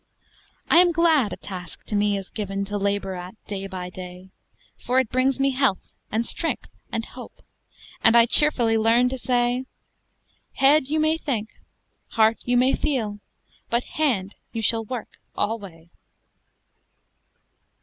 I am glad a task to me is given, To labor at day by day; For it brings me health, and strength, and hope, And I cheerfully learn to say, "Head you may think, Heart you may feel, But Hand you shall work alway!"